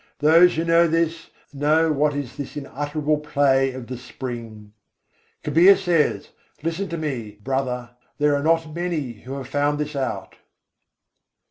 Those who know this, know what is this unutterable play of the Spring. Kabîr says: "Listen to me, brother' there are not many who have found this out."